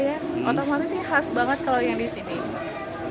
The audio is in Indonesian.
ya otak otaknya sih khas banget kalau yang disini